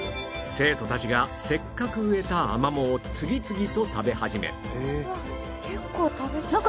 生徒たちがせっかく植えたアマモを次々と食べ始めなんか短くなってません？